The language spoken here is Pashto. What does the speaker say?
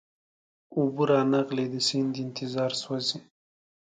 اوبه را نغلې د سیند انتظار سوزي